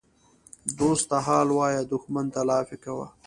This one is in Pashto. ـ دوست ته حال وایه دښمن ته لافي کوه.